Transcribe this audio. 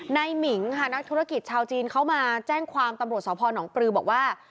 หมิงค่ะนักธุรกิจชาวจีนเขามาแจ้งความตำรวจสพนปลือบอกว่า